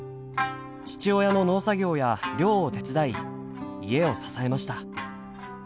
父親の農作業や漁を手伝い家を支えました。